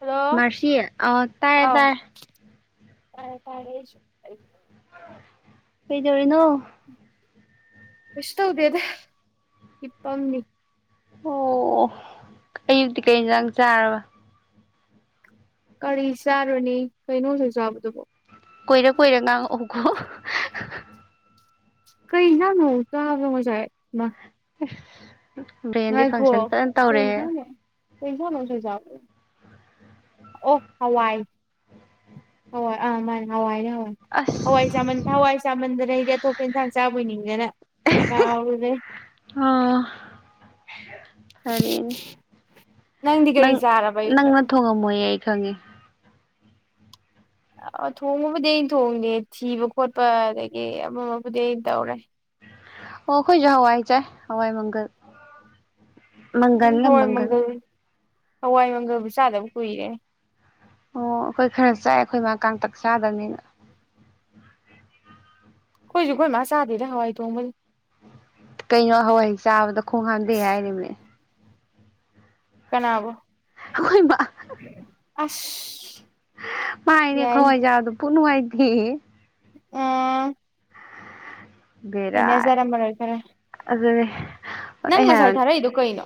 hello ꯃꯔꯁꯤ ꯑꯣ ꯇꯥꯏ ꯇꯥꯏ ꯇꯥ:ꯦ ꯇꯥꯔꯦ ꯑꯩꯁꯨ ꯀꯩꯗꯧꯔꯤꯅꯣ ꯀꯩꯁꯨ ꯇꯧꯗꯦꯗ ꯍꯤꯞꯄꯝꯃꯤ ꯑꯣ ꯑꯌꯨꯛꯇꯤ ꯀꯩ ꯑꯦꯟꯖꯥꯡ ꯆꯥꯔꯕ ꯀꯔꯤ ꯆꯥꯔꯨꯅꯤ ꯀꯩꯅꯣꯗ ꯆꯥꯕꯗꯨꯕꯣ ꯀꯣꯏꯔ ꯀꯣꯏꯏꯔ ꯉꯥꯡꯉꯛꯑꯣꯎꯀꯣ ꯀꯩ ꯉꯅ ꯆ ꯃꯖꯥ [unintelligible] ꯕ꯭ꯔꯦꯟꯗꯤ ꯉꯥꯏꯒꯣ ꯐꯪꯁꯟ ꯐꯖꯅ ꯇꯧꯔꯦ ꯀꯩꯖꯅꯣ ꯀꯩꯁꯅꯣꯁꯨ ꯌꯥꯕ ꯑꯣ ꯍꯋꯥꯏ ꯍꯋꯥꯏ ꯑꯥ ꯃꯥꯅꯦ ꯍꯋꯥꯏꯅꯦ ꯑꯁ ꯍꯋꯥꯏꯃ ꯍꯋꯥꯏ ꯆꯥꯃꯟꯗꯅ ꯍꯥꯏꯗꯤ ꯑꯇꯣꯞꯄ ꯏꯟꯁꯥꯡ ꯆꯥꯕ ꯑꯣꯏ ꯅꯤꯡꯗꯅ ꯀꯔꯨꯔꯦ ꯐꯔꯅꯦ ꯅꯪꯗꯤ ꯀꯔꯤ ꯅꯪ ꯆꯥꯔꯕ ꯑꯌꯨꯛꯇ ꯅꯪꯅ ꯊꯣꯡꯉꯝꯃꯣꯏ ꯑꯩ ꯈꯪꯉꯦ ꯑ ꯊꯣꯡꯕꯕꯨꯗꯤ ꯑ ꯊꯣꯡꯅꯤ ꯊꯤꯕ ꯈꯣꯠꯄ ꯑꯗꯒꯤ ꯑꯃꯃꯕꯨꯗꯤ ꯑꯩꯅ ꯇꯧꯔꯦ ꯑꯣꯈꯣꯏꯁꯨ ꯍꯋꯥꯏ ꯆ ꯍꯋꯥꯏ ꯃꯪꯒꯜ ꯎꯝ ꯃꯪꯒꯜꯂ ꯍꯋꯥꯏ ꯃꯪꯒꯜ ꯃꯪꯒꯜꯗ ꯍꯋꯥꯏ ꯃꯪꯒꯜꯕꯨ ꯆꯥꯗꯕ ꯀꯨꯏꯔꯦ ꯑꯣ ꯑꯩꯈꯣꯏ ꯈꯔ ꯆꯥꯏꯦ ꯑꯩꯈꯣꯏꯃ ꯀꯥꯡꯥꯡꯇꯛ ꯆꯥꯗꯕꯅꯤꯅ ꯀꯣꯏꯁꯨ ꯀꯣꯏ ꯃꯥ ꯆꯥꯕꯤꯗꯋꯥꯏ ꯇ ꯎꯜ ꯀꯩꯅꯣ ꯍꯋꯥꯏ ꯍꯩ ꯆꯥꯕꯗ ꯈꯣꯡ ꯍꯥꯝꯗꯩ ꯍꯥꯏꯔꯤꯕꯅꯦ ꯀꯅꯥꯕꯣ ꯍꯣꯏ ꯑꯐ ꯃꯥꯥꯏꯅꯦ ꯈꯋꯥꯏꯖꯥꯗꯣ ꯄꯨ ꯅꯨꯡꯉꯥꯏ ꯍ ꯑ ꯕꯦꯔꯥꯅꯤ ꯑꯩꯅꯖꯔꯝꯕꯔ ꯑꯣꯏ ꯈꯔꯦ ꯑꯗꯨꯅꯦ ꯅꯪ ꯑꯩ ꯉꯁꯥꯏ ꯍꯥꯏꯕꯅꯦ ꯊꯥꯔꯛꯏꯗꯨ ꯀꯩꯅꯣ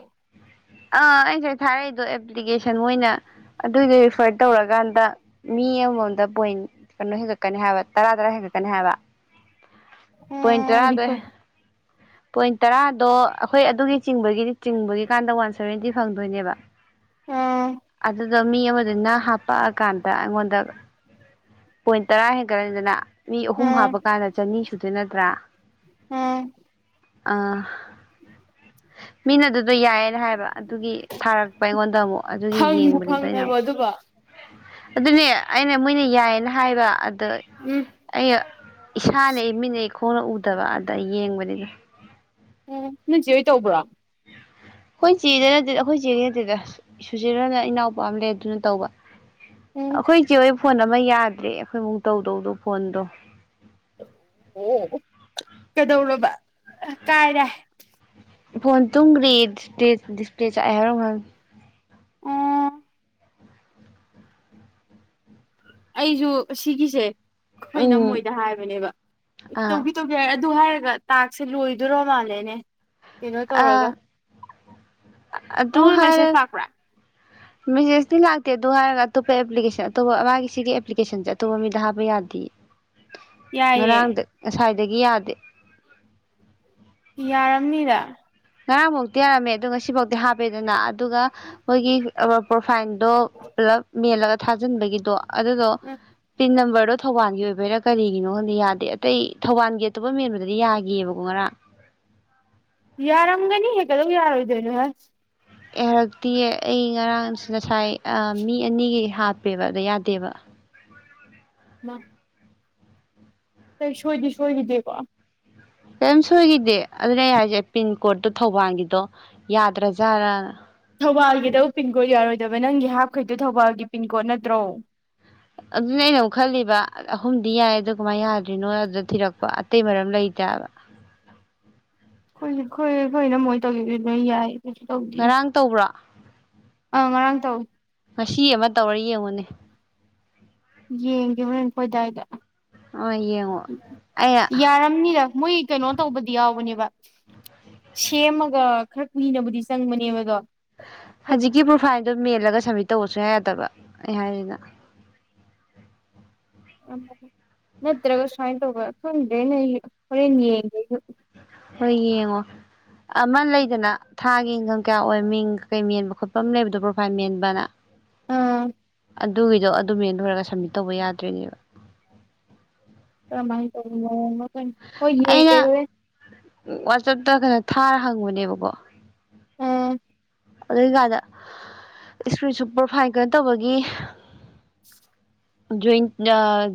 ꯑꯥ ꯑꯩꯁꯦ ꯊꯥꯔꯛꯏꯗꯣ ꯑꯦꯄ꯭ꯂꯤꯀꯦꯁꯟ ꯑꯣꯏꯅ ꯑꯗꯨꯏꯗꯣ ꯔꯤꯐꯔ ꯇꯧꯔꯀꯥꯟꯗ ꯃꯤ ꯑꯃꯃꯝꯗ ꯄꯣꯏꯟ ꯀꯩꯅꯣ ꯍꯦꯟꯒꯠꯀꯅꯤ ꯍꯥꯏꯕ ꯇꯔꯥ ꯇꯔꯥ ꯍꯦꯟꯒꯠꯀꯅꯤ ꯍꯥꯏꯕ ꯄꯣꯏ ꯑꯥ ꯇꯔꯥꯗ ꯔꯤꯐꯔ ꯄꯣꯏꯟ ꯇꯔꯥꯗꯣ ꯑꯩꯈꯣꯏ ꯑꯗꯨꯒꯤ ꯆꯤꯡꯕꯒꯤꯗꯤ ꯆꯤꯡꯕꯒꯤꯀꯥꯟꯗ ꯋꯥꯟ ꯁꯚꯦꯟꯇꯤ ꯐꯪꯗꯣꯏꯅꯦꯕ ꯑꯥ ꯑꯗꯨꯗ ꯝ ꯑꯃꯗꯅ ꯍꯥꯄꯛꯑꯀꯥꯟꯗ ꯑꯩꯉꯣꯟꯗ ꯄꯣꯏꯟ ꯇꯔꯥ ꯍꯦꯟꯒꯠꯂꯅꯤꯗꯅ ꯃꯤ ꯑꯍꯨꯝ ꯑꯥ ꯍꯥꯞꯄ ꯀꯥꯟꯗ ꯆꯅꯤ ꯁꯨꯗ ꯅꯠꯇ꯭ꯔꯥ ꯑꯥ ꯑꯥ ꯃꯤꯅ ꯑꯗꯨꯗꯣ ꯌꯥꯏꯌꯦꯅ ꯍꯥꯏꯕ ꯑꯗꯨꯒꯤ ꯊꯥꯔꯛꯄ ꯑꯩꯉꯣꯟꯗ ꯑꯃꯨꯛ ꯑꯗꯨꯒꯤ ꯐꯪꯕꯨ ꯌꯦꯡꯕꯅꯤꯗ ꯑꯩꯅ ꯐꯪꯉꯕꯣ ꯑꯃꯨꯛ ꯑꯗꯨꯕꯣ ꯑꯗꯨꯅꯦ ꯑꯩꯅ ꯃꯣꯏꯅ ꯌꯥꯏꯌꯦꯅ ꯍꯥꯏꯕ ꯑꯗꯨ ꯎꯝ ꯑꯩꯅ ꯏꯁꯥꯅ ꯏ ꯃꯤꯠꯅ ꯑꯩ ꯈꯣꯡꯅ ꯎꯗꯕ ꯑꯗ ꯌꯦꯡꯕꯅꯤꯗ ꯎꯝ ꯅꯪꯁꯤ ꯍꯣꯏ ꯇꯧꯕ꯭ꯔꯣ ꯑꯩꯈꯣꯏ ꯆꯦꯗꯅꯠꯇꯦꯗ ꯑꯩꯈꯣꯏ ꯆꯦꯗ ꯅꯠꯇꯦꯗ ꯁꯨꯆꯦꯔꯅ ꯏꯅꯥꯎꯄꯥ ꯑꯃ ꯂꯩ ꯑꯗꯨꯅ ꯇꯧꯕ ꯎꯝ ꯑꯩꯈꯣꯏ ꯀ ꯐꯣꯟ ꯑꯃ ꯌꯥꯗ꯭ꯔꯦ ꯑꯩꯈꯣꯏꯃꯨꯛ ꯇꯧꯗꯧꯗꯣ ꯐꯣꯟꯗꯣ ꯑꯣ ꯀꯩꯗꯧꯔꯕ ꯀꯥꯏꯔꯦ ꯐꯣꯟ ꯇꯨꯡꯈ꯭ꯔꯤꯄ꯭ꯂ ꯗꯤꯁꯄ꯭ꯂꯦ ꯆꯥꯛꯑꯦ ꯍꯥꯏꯔꯝꯒ ꯑꯣ ꯑꯩꯁꯨ ꯁꯤꯒꯤꯁꯦ ꯑꯩꯈꯣꯏꯅ ꯎꯝ ꯃꯣꯏꯗ ꯍꯥꯏꯕꯅꯦꯕ ꯑꯥ ꯇꯧꯈꯤꯦ ꯇꯧꯒꯦ ꯍꯥꯏꯔ ꯑꯗꯨ ꯍꯥꯏꯔꯒ ꯇꯥꯛꯁꯦ ꯂꯣꯏꯗꯣꯏꯣꯔꯣ ꯃꯥꯜꯂꯦꯅꯦ ꯀꯩꯅꯣ ꯑꯥ ꯇꯧꯔꯒ ꯑꯗꯨ ꯅꯪꯉꯣꯟꯗ ꯍꯥꯏꯔ ꯃꯦꯁꯦꯖ ꯂꯥꯛꯄ꯭ꯔꯥ ꯃꯦꯁꯦꯁꯇꯤ ꯂꯥꯛꯇꯦ ꯑꯗꯨ ꯍꯥꯏꯔꯒ ꯑꯇꯣꯞꯄ ꯑꯦꯄꯂꯤꯦꯁꯟ ꯑꯇꯣꯞꯄ ꯃꯥꯒꯤ ꯁꯤꯒꯤ ꯑꯦꯄ꯭ꯂꯤꯀꯦꯁꯟꯁꯦ ꯑꯇꯣꯞꯄ ꯃꯤꯗ ꯍꯥꯞꯄ ꯌꯥꯗꯦ ꯌꯥꯏꯌꯦ ꯉꯔꯥꯡꯗ ꯉꯁꯥꯏ ꯑꯗꯒꯤ ꯌꯥꯗꯦ ꯌꯥꯔꯝꯅꯤꯔ ꯉꯔꯥꯡꯃꯧꯛꯇꯤ ꯌꯥꯔꯝꯃꯦ ꯑꯗꯣ ꯉꯁꯤꯐꯥꯎꯗꯤꯤ ꯍꯥꯞꯄꯦꯗꯅ ꯑꯗꯨꯒ ꯃꯈꯣꯏꯒꯤ ꯐꯥꯏꯗꯣ ꯄꯂ ꯃꯤ ꯊꯥꯖꯤꯟꯕꯒꯤꯗꯣ ꯑꯗꯨꯗꯣ ꯎꯝ ꯇꯤꯟꯝꯕꯔ ꯑꯗꯣ ꯊꯧꯕꯥꯜꯒꯤ ꯑꯣꯏꯕꯩꯔꯥ ꯀꯔꯤꯒꯤꯅꯣ ꯈꯗꯤ ꯌꯥꯗꯦ ꯑꯇꯩ ꯊꯧꯕꯥꯜꯒꯤ ꯑꯇꯣꯞꯄ ꯃꯦꯟꯕꯗꯗꯤ ꯌꯥꯒꯤꯑꯕꯀꯣ ꯉꯔꯥꯡ ꯌꯥꯔꯝꯒꯅꯤ ꯍꯦꯛꯒꯗꯧ ꯌꯥꯔꯣꯏꯗꯣꯏꯅꯣꯁ ꯑꯦ ꯍꯗꯛꯇꯤ ꯑꯩ ꯉꯔꯥꯡꯁ ꯉꯁꯥꯏ ꯃꯤ ꯑꯅꯤꯒꯤ ꯍꯥꯞꯄꯦꯕ ꯑꯗ ꯌꯥꯗꯦꯕ ꯃꯥ ꯀ ꯁꯣꯏꯗꯤ ꯁꯣꯏꯈꯤꯗꯦꯀꯣ ꯀꯔꯤꯝ ꯁꯣꯏꯈꯤꯗꯦ ꯑꯗꯨꯅ ꯑꯩ ꯍꯥꯏꯁꯦ ꯄꯤꯟ ꯀꯣꯗꯠꯇꯣ ꯊꯧꯕꯥꯜꯒꯤꯗꯣ ꯌꯥꯗ꯭ꯔꯥꯖꯥꯠꯔ ꯊꯧꯕꯥꯜꯒꯤꯗ ꯄꯤꯟꯀꯣꯗ ꯌꯥꯔꯣꯏꯗꯕ ꯅꯪꯒꯤ ꯍꯥꯞꯈꯩꯗꯣ ꯊꯧꯕꯥꯜꯒꯤ ꯄꯤꯟꯀꯣꯗ ꯅꯠꯇ꯭ꯔꯣ ꯑꯗꯨꯅ ꯑꯩꯅ ꯑꯃꯨꯛ ꯈꯜꯂꯤꯕ ꯑꯍꯨꯝꯗꯤ ꯌꯥꯏ ꯑꯗꯨ ꯀꯃꯥꯏꯅ ꯌꯥꯗ꯭ꯔꯤꯅꯣ ꯑꯗꯨꯗ ꯊꯤꯔꯛꯄ ꯑꯇꯩ ꯃꯔꯝ ꯂꯩꯇꯕ ꯏ ꯈꯣꯏꯈꯣꯏꯅ ꯃꯣꯏ ꯇꯧꯈꯤꯕ ꯅꯣꯏ ꯌꯥꯏ ꯀꯩꯁꯨ ꯇꯧꯗꯦ ꯉꯔꯥꯡ ꯇꯧꯕ꯭ꯔꯥ ꯑꯥ ꯉꯔꯥꯡ ꯇꯧ ꯑꯁꯤ ꯑꯃ ꯇꯧꯔ ꯌꯦꯡꯉꯨꯅꯦ ꯌꯦꯡꯈꯤꯕ ꯅꯅꯈꯣꯏꯗꯥꯏꯗ ꯑꯃ ꯌꯦꯡꯉꯣ ꯑꯩ ꯌꯥꯔꯝꯅꯤꯗ ꯃꯣꯏ ꯀꯩꯅꯣ ꯇꯧꯕꯗꯤ ꯌꯥꯎꯕꯅꯦꯕ ꯁꯦꯝꯃꯒ ꯈꯔ ꯀꯨꯏꯅꯕꯕꯨꯗꯤ ꯆꯪꯕꯅꯦꯕ ꯑꯗꯣ ꯍꯧꯖꯤꯛꯀꯤ ꯄ꯭ꯔꯣꯐꯥꯏꯜꯗꯣ ꯃꯦꯜꯂꯒ ꯁꯕꯃꯤꯠ ꯇꯧꯕꯁꯨ ꯌꯥ ꯌꯥꯗꯕ ꯑꯩ ꯍꯥꯏꯔꯤꯅ ꯅꯠꯇ꯭ꯔꯒ ꯁꯥꯏꯟ ꯇꯧꯕ ꯊꯦ ꯐ ꯍꯣꯏ ꯌꯦꯡꯉꯣ ꯑꯃ ꯂꯩꯗꯅ ꯊꯥꯒꯤ ꯏꯟꯀꯝ ꯀꯌꯥ ꯑꯣꯏ ꯃꯤꯡ ꯀꯩ ꯃꯦꯟꯕ ꯈꯣꯠꯄ ꯑꯃ ꯂꯩꯕꯗꯣ ꯄ꯭ꯔꯣꯐꯥꯏꯜ ꯃꯦꯟꯕꯅ ꯑꯝ ꯑꯗꯨꯒꯤꯗꯣ ꯑꯗꯨꯝ ꯌꯦꯟꯊꯣꯔꯒ ꯁꯝꯃꯤꯠ ꯇꯧꯕ ꯌꯥꯗ꯭ꯔꯔꯤꯅꯦꯕ ꯥꯏ ꯇ ꯍꯣꯏ ꯌꯦ ꯑꯩꯅ ꯂꯩꯦ ꯋꯥꯆꯞꯇ ꯀꯩꯅꯣ ꯊꯥꯔ ꯍꯪꯕꯅꯦꯕꯀꯣ ꯎꯝ ꯑꯗꯨ ꯑꯣꯏꯀꯥꯟꯗ ꯏꯁꯀ꯭ꯔꯤꯟꯁꯨ ꯄ꯭ꯔꯣꯐꯥꯏꯜ ꯀꯩꯅꯣ ꯇꯧꯕꯒꯤ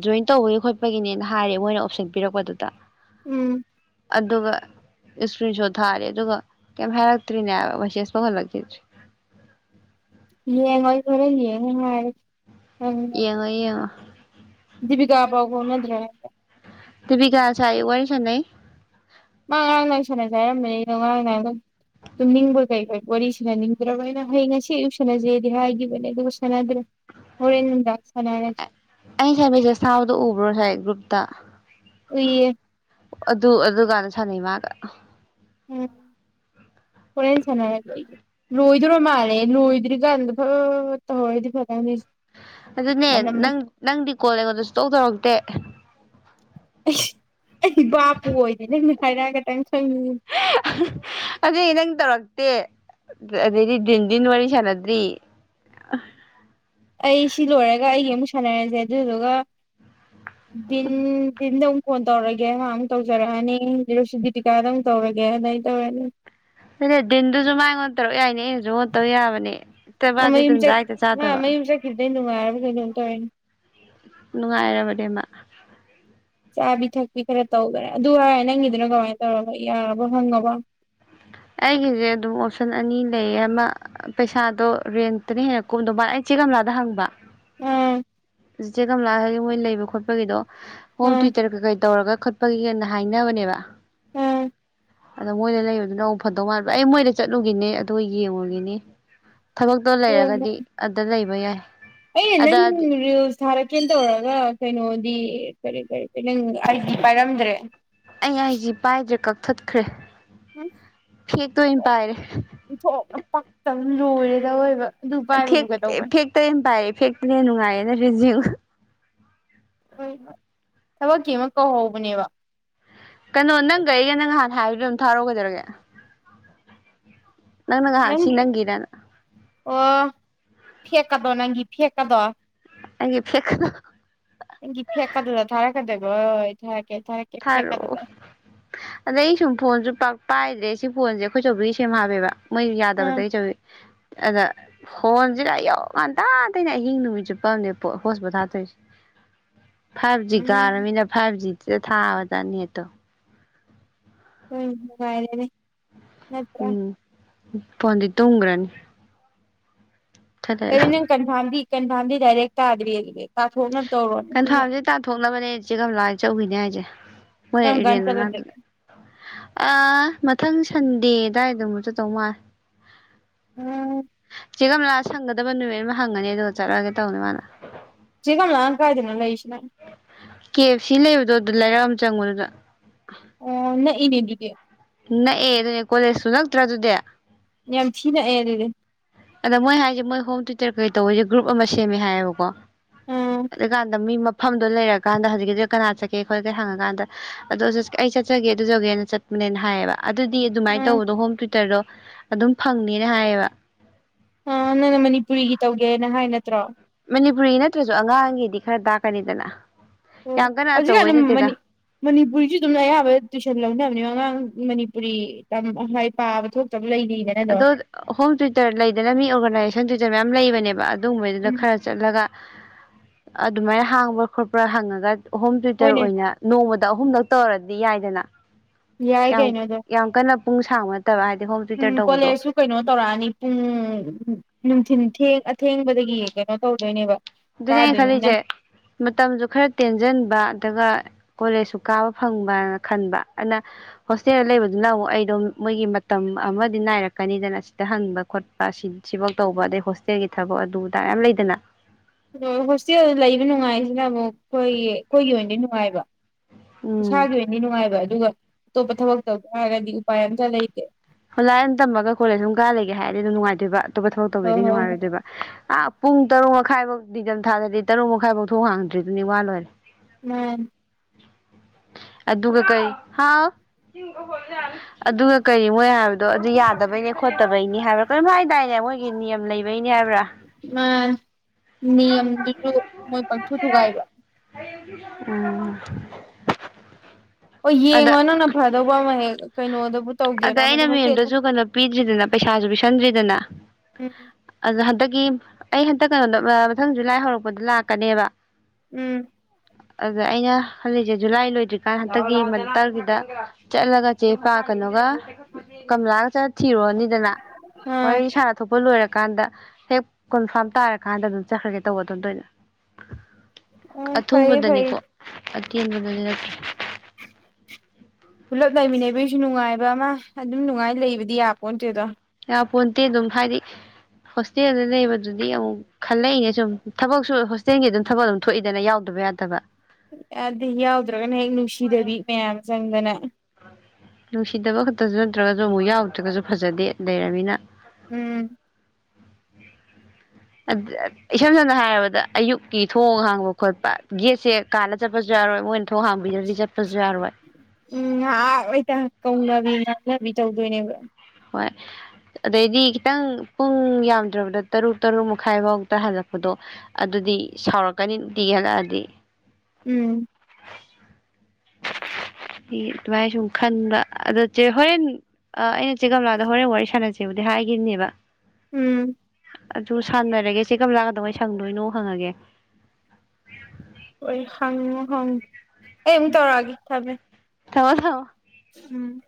ꯖꯣꯏꯟ ꯇꯧꯕꯒꯤ ꯈꯣꯠꯄꯒꯤꯅꯦꯅ ꯍꯥꯏꯔꯦ ꯃꯣꯏꯅ ꯑꯣꯞꯁꯟ ꯄꯤꯔꯛꯄꯗꯨꯗ ꯎꯝ ꯑꯗꯨꯒ ꯏꯁꯀ꯭ꯔꯤꯟ ꯁꯣꯠ ꯊꯥꯔꯦ ꯑꯗꯨꯒ ꯀꯩꯝ ꯍꯥꯏꯔꯛꯇ꯭ꯔꯤꯅꯦꯕ ꯃꯋꯦꯁꯦꯁ ꯐꯧꯈꯜꯂꯛꯇꯦ [inaudible] ꯂꯑꯦ ꯉꯣꯏ ꯈꯔ ꯂꯌꯦ ꯉ ꯍꯥꯏ ꯌꯦꯉ ꯌꯦꯉ ꯤꯕꯀꯥ ꯄꯥꯎꯕꯅ ꯑꯗꯨ꯭ꯔ ꯇ ꯄꯤꯒꯒꯥꯁꯏ ꯋꯥꯔꯤꯔꯁꯅ ꯃꯥ ꯉꯔꯥꯡ ꯅꯍ ꯁꯥꯟꯅꯖꯦ ꯍꯥꯏꯔꯝꯕꯅꯤ ꯑꯩꯅꯣ ꯉꯔꯥꯡ ꯅꯍ ꯑꯗꯨꯝ ꯇꯨꯝꯅꯤꯡꯕ ꯀꯩꯀꯩ ꯋꯥꯔꯤ ꯁꯥꯟꯅꯅꯤꯡꯗ꯭ꯔꯕ ꯑꯩꯅ ꯍꯌꯦꯡ ꯉꯁꯤ ꯑꯌꯨꯛ ꯁꯥꯟꯅꯖꯩꯗꯤ ꯍꯥꯏꯈꯤꯕꯅꯦ ꯑꯗꯨꯒ ꯁꯥꯟꯅꯗ꯭ꯔꯦ ꯍꯣꯔꯦꯟ ꯅꯨꯡꯗꯥꯡ ꯁꯥꯟꯅꯔꯁꯦ ꯑꯩ ꯁꯁꯥꯎꯗ ꯎꯕ꯭ꯔꯣ ꯁꯥꯏ ꯒ꯭ꯔꯨꯞꯇ ꯎꯏꯌꯦ ꯑꯗꯨ ꯑꯗꯨ ꯀꯥꯟꯗ ꯁꯥꯟꯅꯩ ꯃꯥꯒ ꯎꯝ ꯍꯣꯔꯦꯟ ꯁꯥꯟꯅꯔꯒ ꯑꯩ ꯂꯣꯏꯗꯔ ꯃꯥꯜꯂꯦ ꯂꯣꯏꯗ꯭ꯔꯤꯀꯥꯟꯗ ꯐ ꯇꯧꯍꯧꯣꯏꯗꯤ ꯐꯠꯇꯪꯅꯤ ꯑꯗꯨꯅꯦ ꯅꯪ ꯅꯪꯗꯤ ꯀꯣꯜꯂꯉꯣꯟꯗ ꯁꯇꯣꯛ ꯇꯧꯔꯛꯇꯦ [inaudible] ꯑꯩꯁ ꯑꯩ ꯏ ꯕꯥꯄꯨ ꯑꯣꯏꯗꯤ ꯅꯪꯅꯦ ꯍꯥꯏꯥꯏꯔꯒꯦꯪ ꯑꯗꯨꯗ ꯏꯅꯪ ꯇꯔꯣꯒ ꯦ ꯑꯗꯩꯗꯤ ꯤꯟꯗꯟ ꯋꯥꯔꯤ ꯆꯅꯗ꯭ꯔꯤ ꯑꯩ ꯁꯤ ꯂꯣꯏꯔꯒ ꯑꯩꯒꯤ ꯑꯃꯨꯛ ꯁꯥꯟꯅꯔꯁꯦ ꯑꯗꯨꯗꯨꯒ [inaudible] ꯐꯣꯟ ꯇꯧꯔꯒꯦ ꯃꯥ ꯑꯃꯨꯛ ꯇꯧꯖꯔꯛꯑꯅꯤ ꯗꯤꯇꯤꯀꯥꯗ ꯑꯃꯨꯛ ꯇꯧꯔꯒꯦ ꯑꯗꯨꯗꯥꯏ ꯇꯧꯔꯅꯤ ꯑꯗꯨ ꯗꯤꯟꯗꯨꯁꯨ ꯃꯥꯡꯉꯣꯟꯟ ꯇꯔꯣ ꯌꯥꯏꯅꯦ ꯑꯩꯉꯣꯟꯗ ꯇꯧ ꯌꯥꯕꯅꯦ ꯍꯦꯛꯇ ꯃꯥꯗꯤ ꯇꯟꯖꯥ ꯃꯌꯨꯝꯆꯠ ꯍꯦꯛꯇ ꯃꯥ ꯆꯥꯗꯕ ꯃꯌꯨꯝꯆꯠ ꯈꯤꯗ ꯅꯨꯡꯉꯥꯏꯔꯕ ꯀꯩꯩꯅꯗꯣꯝ ꯇꯧꯋꯤꯅꯦ ꯅꯨꯡꯉꯥꯏꯔꯕꯅꯦꯃ ꯆꯥꯕꯤ ꯊꯛꯄꯤ ꯈꯔ ꯇꯧꯈ꯭ꯔꯥ ꯑꯗꯨ ꯍ ꯅꯪꯒꯤꯗꯨꯅꯣ ꯀꯃꯥꯏꯅ ꯇꯧꯔꯕꯣ ꯌꯥꯕ ꯍꯪꯉꯕ ꯑꯩꯒꯤꯁꯦ ꯑꯗꯨꯝ ꯑꯣꯞꯁꯟ ꯑꯅꯤ ꯂꯩꯌꯦ ꯑꯃ ꯄꯩꯁꯥꯗꯣ ꯔꯦꯟꯇꯅ ꯍꯦꯟꯅ ꯀꯨꯝꯗꯧ ꯃꯥꯕꯥ ꯑꯩ ꯆꯦ ꯀꯝꯂꯥꯗ ꯍꯪꯕ ꯑꯥ ꯁꯤꯆꯦ ꯀꯝꯂ ꯍ ꯃꯣꯏ ꯂꯩꯕ ꯈꯣꯠꯄꯒꯤꯗꯣ ꯍ ꯑꯥ ꯇꯨꯇꯔ ꯀ ꯀꯩ ꯇꯧꯔꯒ ꯄꯄꯒꯤꯅ ꯍꯥꯏꯅꯕꯅꯦꯕ ꯑꯥ ꯃꯣꯏꯂ ꯂꯩ ꯑꯗꯨ ꯅꯣꯡ ꯐꯗꯧ ꯃꯥꯟꯕ ꯑꯩ ꯃꯣꯏꯗ ꯆꯠꯂꯨꯒꯤꯅꯦ ꯑꯗꯨꯒ ꯌꯦꯡꯉꯨꯒꯤꯅꯤ ꯊꯕꯛꯇꯣ ꯑꯣ ꯂꯩꯔꯒꯗꯤ ꯑꯗ ꯂꯩꯕ ꯌꯥꯏ ꯑꯩ ꯅꯪ ꯑꯗꯗꯤ ꯔꯤꯜꯁ ꯊꯥꯔꯛꯀꯦꯅ ꯇꯧꯔꯒ ꯀꯩꯅꯣꯗꯤ ꯀꯔꯤ ꯀꯔꯤ ꯅꯪ ꯑꯩꯗꯤ ꯄꯥꯏꯔꯝꯗ꯭ꯔꯦ ꯑ ꯍꯥꯏ ꯄꯥꯏꯗ꯭ꯔꯦ ꯀꯛ ꯆꯠꯈ꯭ꯔꯦ ꯎꯝ ꯍꯦ ꯇ ꯄꯥꯏꯔ ꯝ ꯂꯣꯏꯔꯦꯗ ꯑꯣꯏꯕ ꯐꯦ ꯐꯦꯛꯇꯔꯤꯝ ꯄꯥꯏ ꯐꯦꯛꯇꯔꯤ ꯅꯨꯡꯉꯥꯏ ꯔꯤꯖ ꯊꯕꯛꯀꯤ ꯑꯃ ꯀꯧꯍꯧꯕꯅꯦꯕ ꯀꯩꯅꯣ ꯑꯣ ꯅꯪꯒꯩ ꯀ ꯅꯪ ꯍꯥ ꯍꯥꯏꯗꯤ ꯑꯗꯨꯝ ꯊꯥꯔꯛꯒꯗꯔꯒꯦ ꯅꯪꯅ ꯉꯥꯏꯍꯥꯛ ꯁꯤ ꯅꯪꯒꯤ ꯅꯪꯒꯤꯗꯅ ꯐꯀꯗꯣ ꯅꯪꯒꯤ ꯐꯀꯗꯣ ꯑꯩꯒꯤ ꯐꯦꯛꯀꯗꯣ ꯒꯤ ꯐꯦꯛꯀꯥ ꯑꯗꯨꯗ ꯊꯥꯔꯥ ꯈꯗ ꯏ ꯊ ꯊꯥꯔꯛꯑꯣ ꯑꯗ ꯑꯩ ꯁꯨꯝ ꯐꯣꯟꯁꯨ ꯄꯥꯛ ꯄꯥꯏꯗ꯭ꯔꯦ ꯁꯤ ꯐꯣꯟꯁꯦ ꯑꯩꯈꯣꯏꯆꯧꯕꯤ ꯁꯦꯝ ꯍꯥꯞꯃꯦꯦꯕ ꯃꯣꯏ ꯑꯥ ꯌꯥꯗꯕꯗꯒꯤꯩ ꯆꯧꯋꯤ ꯑꯗ ꯍꯣꯟꯁꯤ ꯂ ꯑꯩ ꯌꯧꯔꯀꯥꯟ ꯇꯗꯩꯅ ꯑꯍꯤꯡ ꯅꯨꯃꯤꯠ ꯆꯨꯞꯠꯄꯝꯅꯦ ꯍꯣꯁ ꯄꯣꯠꯊꯥꯇꯣꯏꯁꯦ ꯐꯥꯏꯚ ꯖꯤ ꯎꯝ ꯀꯥꯔꯃꯤꯅ ꯐꯥꯏꯚ ꯖꯤ ꯊꯥꯕꯅꯤꯇ ꯍꯣꯏꯅꯨꯡꯉꯔꯤꯅꯦ ꯅꯠꯇ꯭ꯔ ꯄꯗꯤ ꯇꯣꯡꯒꯔꯅꯤ ꯑꯗꯨ ꯅꯪ ꯀꯟ ꯊꯗꯤ ꯀꯩꯅ ꯐꯥꯟꯝꯗꯤ ꯗꯗꯥꯏꯔꯦꯛꯇꯑꯒꯗꯤ ꯏꯔꯕꯦ ꯀꯟꯊꯥꯝꯁꯦ ꯇꯥꯊꯣꯛꯅꯕꯅꯦ ꯏꯆꯦ ꯀ ꯂꯥꯛ ꯆꯧꯈꯤꯅꯦ ꯍꯥꯏꯁꯦ ꯀꯪꯒꯥꯟ ꯆꯂꯗ ꯑ ꯃꯊꯪ ꯁꯟꯗꯦ ꯑꯗꯨꯗꯥꯋꯥꯏꯗꯝ ꯆꯗꯧ ꯃꯥꯜ ꯎꯝ ꯆꯦꯒꯝ ꯂꯑ ꯍꯪꯒꯗꯕ ꯅꯨꯃꯤꯠ ꯑꯃ ꯍꯪꯒꯅꯤ ꯑꯗꯨꯒ ꯆꯠꯂꯛꯑꯒꯦ ꯇꯧꯅꯦ ꯃꯥꯅ ꯁꯤꯒꯂ ꯂꯥꯟ ꯀꯥꯏꯗꯦꯅꯂ ꯏꯁꯅ ꯀꯦ ꯑꯦꯐ ꯁꯤ ꯂꯩꯕꯗꯣ ꯑꯗꯨ ꯂꯩꯔꯛ ꯑꯃ ꯆꯪꯕꯗꯨꯗ ꯑ ꯅ ꯏꯅꯦꯗꯨꯗꯤ ꯅꯛꯑ ꯑꯗꯨꯅꯦ ꯀꯣꯂꯦꯖꯁꯨ ꯅꯛꯇ꯭ꯔ ꯑꯗꯨꯗꯤ ꯌꯥꯝ ꯊꯤꯅꯑꯗꯤ ꯑꯗ ꯃꯣꯏ ꯍꯥꯏꯁꯦ ꯃꯣꯏ ꯍꯣꯝ ꯇ꯭ꯌꯨꯇꯔ ꯀꯩ ꯇꯧꯕꯁꯦ ꯒ꯭ꯔꯨꯞ ꯑꯃ ꯁꯦꯝꯃꯦ ꯍꯥꯏꯌꯦꯕꯀꯣ ꯎꯝ ꯑꯗꯨꯀꯥꯟꯗ ꯃꯤ ꯃꯐꯝꯗꯣ ꯂꯩꯔꯀꯥꯟꯗ ꯍꯧꯖꯤꯛꯀꯤꯗꯨ ꯀꯅꯥ ꯆ ꯀꯦ ꯈꯣꯠꯂ ꯀꯦ ꯍꯪꯉꯀꯥꯟꯗ ꯑꯗꯨꯗ ꯑꯩ ꯆꯠꯆꯒꯦ ꯑꯗꯨꯖꯧꯒꯦꯅ ꯆꯠꯄꯅꯦꯅ ꯍꯥꯏꯌꯦꯕ ꯑꯗꯨꯗꯤ ꯑꯗꯨꯃꯥꯏꯅ ꯎꯝ ꯇꯧꯕꯗꯣ ꯍꯣꯝ ꯇ꯭ꯌꯋꯨꯇꯔꯗꯣ ꯑꯗꯨꯝ ꯐꯪꯅꯤꯅ ꯍꯥꯏꯌꯦꯕ ꯑ ꯅꯪꯅ ꯃꯅꯤꯄꯨꯔꯤꯒꯤ ꯇꯧꯒꯦꯅ ꯍꯥꯏ ꯅꯠꯇ꯭ꯔꯣ ꯃꯅꯤꯄꯨꯔꯤ ꯅꯠꯇ꯭ꯔꯁꯨ ꯑꯉꯥꯡꯒꯤꯗꯤ ꯈꯔ ꯇꯥꯛꯀꯅꯤꯗꯅ ꯑꯣ ꯌꯥꯝ ꯀꯟꯅ ꯍꯧꯖꯤꯛꯀꯥꯟꯗ ꯑꯆꯧꯕꯩ ꯅꯠꯇꯦꯗ ꯃꯅꯤꯄꯨꯔꯤꯁꯨ ꯑꯗꯨꯝꯅ ꯑꯌꯥꯝꯕ ꯇꯨꯋꯏꯁꯟ ꯂꯧꯅꯕꯅꯦ ꯑꯉꯥꯡ ꯔꯤꯣꯏ ꯄꯥꯕ ꯊꯣꯛꯇꯕ ꯑꯗꯣ ꯍꯣꯝ ꯇ꯭ꯌꯨꯇꯔ ꯂꯩꯗꯅ ꯃꯤ ꯑꯣꯔꯒꯅꯥꯏꯖꯦꯁꯟ ꯇ꯭ꯌꯨꯇꯔ ꯃꯦꯝ ꯂꯩꯕꯅꯦꯕ ꯑꯗꯨꯒꯨꯝꯕꯗꯨꯗ ꯎꯝ ꯈꯔ ꯆꯠꯂꯒ ꯑꯗꯨꯃꯥꯏꯅ ꯍꯥꯡꯕ꯭ꯔꯥ ꯈꯣꯠꯄ꯭ꯔꯥ ꯍꯪꯉꯒ ꯑꯍꯣꯝ ꯇ꯭ꯋꯇꯔ ꯍꯣꯏꯅꯦ ꯑꯣꯏꯅ ꯅꯣꯡꯃꯗ ꯑꯍꯨꯝꯂꯛ ꯇꯧꯔꯗꯤ ꯌꯥꯏꯗꯅ ꯌꯥꯏ ꯀꯥꯏ ꯌꯥꯝ ꯅꯗ ꯌꯥꯝ ꯀꯟꯅ ꯄꯨꯡ ꯁꯥꯡꯕ ꯅꯠꯇꯕ ꯍꯥꯏꯗꯤ ꯍꯣꯝ ꯎꯝ ꯇ꯭ꯌꯨꯇꯔ ꯇꯧꯕꯗꯣ ꯀꯣꯂꯦꯖꯁꯨ ꯀꯩꯅꯣ ꯇꯧꯔꯛꯑꯅꯤ ꯄꯨꯡ ꯅꯨꯡꯊꯤꯟ ꯦꯡ ꯑꯊꯦꯡꯕꯗꯒꯤ ꯀꯩꯅꯣ ꯇꯧꯗꯣꯏꯅꯦꯕ ꯑꯗꯨꯅꯦ ꯑꯩꯅ ꯀꯥꯗꯣꯏꯅꯤꯅ ꯈꯜꯂꯤꯁꯦ ꯃꯇꯝꯁꯨ ꯈꯔ ꯇꯦꯟꯁꯤꯟꯕ ꯑꯗꯨꯒ ꯀꯣꯂꯦꯖꯁꯨ ꯀꯥꯕ ꯐꯪꯕꯅ ꯈꯟꯕ ꯑꯗꯨꯅ ꯍꯣꯁꯇꯦꯜꯗ ꯂꯩꯕꯗꯨꯅ ꯑꯃꯨꯛ ꯑꯩꯗꯣ ꯃꯣꯏꯒꯤ ꯃꯇꯝ ꯑꯃꯗꯤ ꯅꯥꯏꯔꯛꯀꯅꯤꯗꯅ ꯁꯤꯗ ꯍꯪꯕ ꯈꯣꯠꯄ ꯁꯤꯐꯧ ꯇꯧꯕ ꯑꯗꯩ ꯍꯣꯁꯇꯦꯜꯒꯤ ꯊꯕꯛ ꯑꯗꯨꯗꯥ ꯌꯥꯝ ꯂꯩꯗꯅ ꯑ ꯍꯣꯁꯇꯦꯜ ꯂꯩꯕ ꯅꯨꯡꯉꯥꯏꯁꯤꯅ ꯑꯃꯨꯛ ꯍꯈꯣꯏꯌꯦ ꯑꯩꯈꯣꯏꯒꯤ ꯑꯣꯏꯅꯗꯤ ꯅꯨꯡꯉꯥꯏꯕ ꯁꯥ ꯎꯝ ꯑꯗꯨꯋꯦꯅꯤꯅꯅꯨꯡꯥꯏ ꯑꯗꯨꯒ ꯑꯇꯣꯞꯄ ꯊꯕꯛ ꯇꯧ ꯇꯥꯔꯒꯗꯤ ꯎꯄꯥꯏ ꯑꯝꯇ ꯂꯩꯇꯦ ꯍꯣꯏ ꯂꯥꯏꯅ ꯇꯝꯕꯒ ꯀꯣꯂꯦꯖ ꯁꯝ ꯀꯥ ꯂꯩꯒꯦ ꯍꯥꯏꯔꯗꯤ ꯑꯗꯨꯝ ꯅꯨꯡꯉꯥꯏꯗꯣꯏꯕ ꯑꯇꯣꯞꯄ ꯊꯕꯛ ꯍꯣꯏ ꯇꯧꯒꯦꯗꯤ ꯍꯣꯏ ꯍꯣꯏ ꯅꯨꯡꯉꯥꯏꯔꯣꯏꯗꯣꯏꯕ ꯑꯥ ꯄꯨꯡ ꯇꯔꯨꯛ ꯃꯈꯥꯏꯐꯧ ꯇ ꯊꯥꯗꯗꯤ ꯇꯔꯨꯛ ꯃꯈꯥꯏꯐꯧ ꯊ ꯍꯥꯡꯗ꯭ꯔꯤꯗꯨꯅꯤ ꯋꯥ ꯂꯣꯏꯔꯦ ꯎꯝ ꯑꯗꯨ ꯑꯗꯨꯒ ꯀꯩ ꯍꯥꯎ ꯑꯗꯨꯒ ꯀꯔꯤ ꯍꯥꯏꯕꯗꯣ ꯑꯗꯨ ꯌꯥꯗꯕꯩꯅꯦ ꯈꯣꯠꯇꯕꯩꯅꯤ ꯍꯥꯏꯕ꯭ꯔꯥ ꯀꯔꯤꯝ ꯍꯥꯏꯗꯥꯏꯅꯦ ꯃꯣꯏꯒꯤ ꯅꯤꯌꯝ ꯂꯩꯕꯩꯅꯤ ꯍꯥꯏꯕ꯭ꯔꯥ ꯃꯥꯅꯤ ꯅꯤꯌꯝꯗꯨꯁꯨ ꯃꯣꯏ ꯄꯪꯊꯨ ꯊꯨꯒꯥꯏꯕ ꯎꯝ ꯑꯣ ꯑꯗ ꯌꯦꯡꯉꯣ ꯅꯪꯅ ꯐꯗꯧꯕ ꯑꯃ ꯍꯦꯛ ꯀꯩꯅꯣꯗꯕꯨ ꯑꯗ ꯇꯧꯒꯦꯔꯥ ꯑꯩꯅ ꯑꯃꯗ ꯍꯣꯁꯇꯦꯜꯗ ꯃꯦꯟꯗꯨꯁꯨ ꯀꯩꯅꯣ ꯄꯤꯗ꯭ꯔꯤꯗꯅ ꯄꯩꯁꯥꯁꯨ ꯄꯤꯁꯟꯗ꯭ꯔꯤꯗꯅ ꯎꯝ ꯑꯗꯨ ꯑꯗꯒꯤ ꯑꯩ ꯍꯟꯇꯛ ꯀꯩꯅꯣꯗ ꯃꯊꯪꯁꯨ ꯂꯥꯏ ꯍꯧꯔꯛꯄꯗ ꯂꯥꯛꯀꯅꯦꯕ ꯎꯝ ꯑꯗ ꯑꯩꯅ ꯍꯜꯂꯤꯛꯁꯦ ꯖꯨꯂꯥꯏ ꯂꯣꯏꯗ꯭ꯔꯤꯀꯥꯟ ꯍꯟꯗꯛꯀꯤ ꯃꯛꯇꯔꯒꯤꯗ ꯆꯠꯂꯒ ꯆꯦ ꯄꯥꯛ ꯀꯅꯣꯒ ꯀꯝꯂꯥꯒ ꯆ ꯊꯤꯔꯣꯅꯤꯗꯅ ꯍꯣꯏ ꯑꯥ ꯁꯥꯟꯅ ꯊꯣꯛꯄ ꯂꯣꯏꯔ ꯠ ꯀꯥꯟꯗ ꯍꯦꯛ ꯀꯣꯟꯐꯥꯔꯝ ꯇꯥꯔꯀꯥꯟꯗ ꯑꯗꯨꯝ ꯆꯠꯈ꯭ꯔꯒꯦ ꯇꯧꯕ ꯑꯗꯨꯣꯝꯗꯣꯏꯅ ꯑꯣ ꯐꯩꯌꯦ ꯐꯩꯌꯦ ꯇꯦꯟꯕ ꯗꯨꯗꯤ ꯅꯠꯇ꯭ꯔꯦ ꯄꯨꯂꯞ ꯂꯩꯃꯤꯟꯅꯕꯒꯤꯁꯨ ꯅꯨꯡꯉꯥꯏꯕ ꯑꯃ ꯑꯗꯨꯝ ꯅꯨꯡꯉꯥꯏ ꯂꯩꯕꯗꯤ ꯌꯥꯄꯣꯟ ꯇꯦꯗꯣ ꯌꯥꯄꯣꯟꯇꯦ ꯑꯗꯨꯝ ꯍꯥꯏꯗꯤ ꯍꯣꯁꯇꯦꯜꯗ ꯂꯩꯕꯗꯨꯗꯤ ꯑꯃꯨꯛ ꯈꯜꯂꯛꯏꯅꯦ ꯁꯨꯝ ꯊꯕꯛꯁꯨ ꯍꯣꯁꯇꯦꯜꯒꯤ ꯑꯗꯨꯝ ꯊꯕꯛ ꯑꯗꯨꯝ ꯊꯣꯛꯏꯗꯅ ꯌꯥꯎꯗꯕ ꯌꯥꯗꯕ ꯑꯦꯗꯨ ꯌꯥꯎꯗ ꯗ꯭ꯔꯒꯅ ꯍꯦꯛ ꯅꯨꯡꯁꯤꯗꯕꯤ ꯃꯌꯥꯝ ꯆꯪꯗꯅ ꯁꯨ ꯅꯠꯇ꯭ꯔꯒꯁꯨ ꯑꯃꯨꯛ ꯌꯥꯎꯗ꯭ꯔꯒꯁꯨ ꯐꯖꯗꯦ ꯂꯩꯔꯃꯤꯅ ꯎꯝ ꯑꯗ ꯑꯗ ꯏꯁꯝ ꯁꯝꯅ ꯍꯥꯏꯔꯕꯗ ꯑꯌꯨꯛꯀꯤ ꯊꯣꯡ ꯍꯥꯡꯕ ꯈꯣꯠꯄ ꯒꯦꯠꯁꯦ ꯀꯥꯟꯜꯂ ꯆꯠꯄꯁꯨ ꯌꯥꯔꯣꯏ ꯃꯣꯏꯅ ꯊꯣꯡ ꯍꯥꯡꯕꯤꯗ꯭ꯔꯗꯤ ꯆꯠꯄꯁꯨ ꯌꯥꯔꯣꯏ ꯎꯝ ꯉꯍꯥꯛ ꯂꯩꯇ ꯀꯧꯅꯕꯤ ꯉꯥꯡꯅꯕꯤ ꯇꯧꯗꯣꯏꯅꯦꯕ ꯍꯣꯏ ꯑꯗꯩꯗꯤ ꯈꯤꯇꯪ ꯄꯨꯡ ꯌꯥꯝꯗ꯭ꯔꯕꯗ ꯇꯔꯨꯛ ꯇꯔꯨꯛ ꯃꯈꯥꯏ ꯐꯥꯎꯗ ꯍꯜꯂꯛꯄꯗꯣ ꯑꯗꯨꯗꯤ ꯁꯥꯎꯔꯛꯀꯅꯤ ꯅꯨꯡꯇꯤꯒꯤ ꯍꯜꯂꯛꯑꯗꯤ ꯎꯝ ꯗꯤ ꯑꯗꯨꯃꯥꯏꯅ ꯁꯨꯝ ꯈꯟꯕ ꯑꯗꯣ ꯆꯦ ꯍꯣꯔꯦꯟ ꯑꯩꯅ ꯆꯦ ꯀꯝꯂꯥꯗ ꯍꯣꯔꯦꯟ ꯋꯥꯔꯤ ꯁꯥꯟꯅꯁꯦꯕꯨꯗꯤ ꯍꯥꯏꯈꯤꯕꯅꯦꯕ ꯎꯝ ꯑꯗꯨ ꯁꯥꯟꯅꯔꯒꯦ ꯆꯦ ꯀꯝꯂꯥ ꯀꯗꯧꯉꯩ ꯁꯪꯗꯣꯏꯅꯣ ꯍꯪꯉꯒꯦ ꯍꫭꯏ ꯍꯪꯉꫭ ꯍꯪ ꯑꯩ ꯃꯨꯛ ꯇꯧꯔꯑꯒꯦ ꯊꯝꯃꯦ ꯊꯝꯃꯣ ꯊꯝꯃꫭ ꯎꯝ